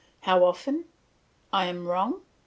How often? I am wrong.